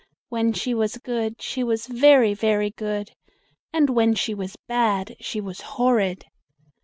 When she was good She was very, very good, And when she was bad she was horrid.